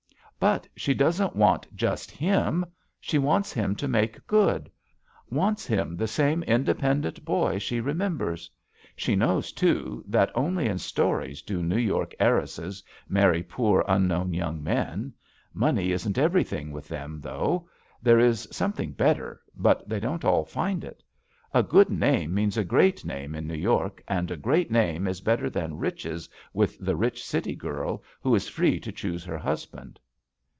"But she doesn't want just kim. She wants him to make good. Wants him the same inde pendent boy she remembers. She knows, too, that only in stories do New York heiresses marry poor, unknown young men. Money isn't everything with them, though. There is something better, but they don't all find it. A good name means a great name in New York and a great name is better than riches with the rich city girl who is free to choose her husband."